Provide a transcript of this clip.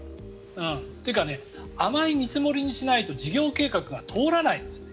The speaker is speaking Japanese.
というか甘い見積もりにしないと事業計画が通らないんです。